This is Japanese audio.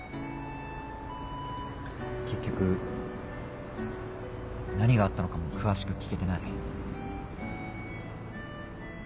結局何があったのかも詳しく聞けてない。